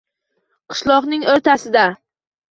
Qishloqning oʼrtasida